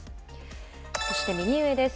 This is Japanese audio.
そして右上です。